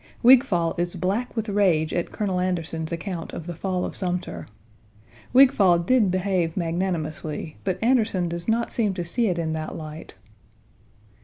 Wigfall is black with rage at Colonel Anderson's account of the fall of Sumter. Wigfall did behave magnanimously, but Anderson does not seem to see it in that light.